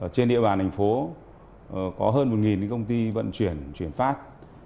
trên địa bàn thành phố có hơn một công ty vận chuyển chuyển phát